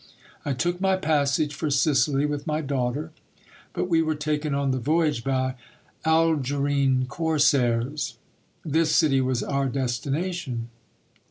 I took my passage for Sicily HISTORY OF DON RAPHAEL. 195 with my daughter ; but we were taken on the voyage by Algerine corsairs. This city was our destination.